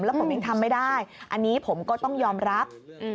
แล้วผมยังทำไม่ได้อันนี้ผมก็ต้องยอมรับ